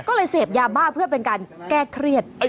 ก็เลยเสพยาบ้าเพื่อเป็นการแก้เครียด